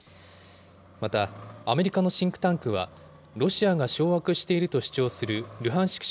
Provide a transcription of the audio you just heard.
またアメリカのシンクタンクは、ロシアが掌握していると主張するルハンシク